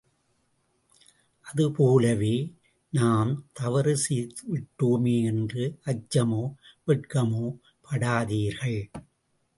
அதுபோலவே நாம் தவறு செய்துவிட்டோமே என்று அச்சமோ வெட்கமோபடாதீர்கள்.